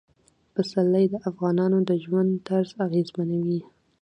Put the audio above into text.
پسرلی د افغانانو د ژوند طرز اغېزمنوي.